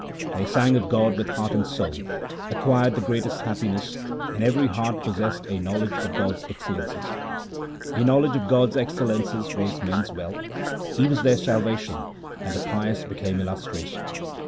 They sang of God with heart and soul, acquired the greatest happiness, and every heart possessed a knowledge of God's excellences. A knowledge of God's excellences was men's wealth ; He was their salvation, and the pious became illustrious.